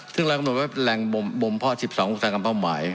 ซึ่งเรากำหนดไว้แหล่งบ่มเพาะ๑๒อุตสาหกรรมเป้าหมาย